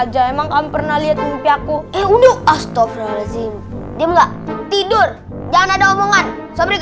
soalnya balapan akan segera dimulai